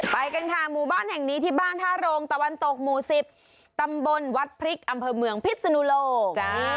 ไปกันค่ะหมู่บ้านแห่งนี้ที่บ้านท่าโรงตะวันตกหมู่๑๐ตำบลวัดพริกอำเภอเมืองพิษนุโลก